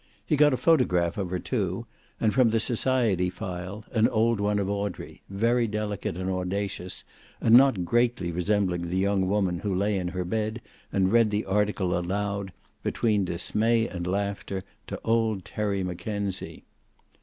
He got a photograph of her, too, and, from the society file, an old one of Audrey, very delicate and audacious, and not greatly resembling the young woman who lay in her bed and read the article aloud, between dismay and laughter, to old Terry Mackenzie.